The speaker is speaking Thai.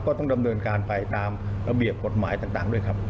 ต้องดำเนินการไปตามระเบียบกฎหมายต่างด้วยครับ